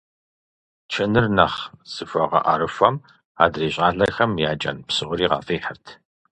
Чыныр нэхъ зыхуэгъэӀэрыхуэм адрей щӀалэхэм я кӀэн псори къафӀихьырт.